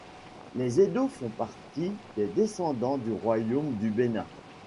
Les Edos font partie des descendants du royaume du Bénin.